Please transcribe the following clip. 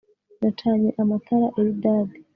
Nacanye amatara Eldad